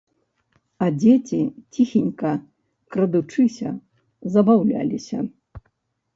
А дзеці ціхенька, крадучыся, забаўляліся.